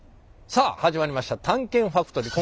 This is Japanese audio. さあ始まりました「探検ファクトリー」。